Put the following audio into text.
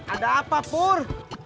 ada apa pur